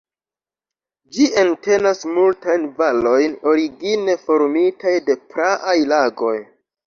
Ĝi entenas multajn valojn origine formitaj de praaj lagoj.